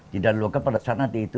tidak dilakukan pada saat nanti itu